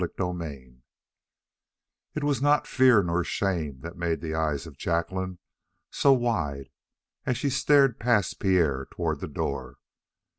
CHAPTER 11 It was not fear nor shame that made the eyes of Jacqueline so wide as she stared past Pierre toward the door.